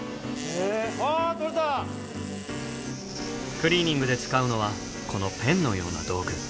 クリーニングで使うのはこのペンのような道具。